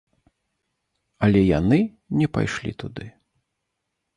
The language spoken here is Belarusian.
Але яны не пайшлі туды.